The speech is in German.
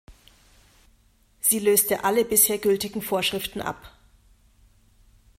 Sie löste alle bisher gültigen Vorschriften ab.